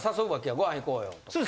ご飯行こうよとか。